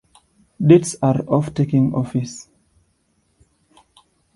Dates are of taking office.